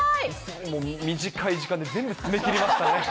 短い時間で全部詰め切りましたね。